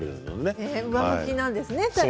上向きなんですね。